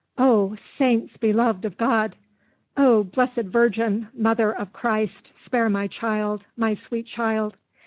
"Oh, Saints beloved of God! Oh, blessed Virgin, mother of Christ, spare my child, my sweet child!"